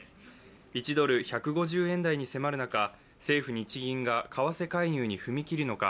１ドル＝１５０円台に迫る中、政府・日銀が為替介入に踏み切るのか